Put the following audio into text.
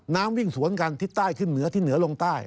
วิ่งสวนกันทิศใต้ขึ้นเหนือที่เหนือลงใต้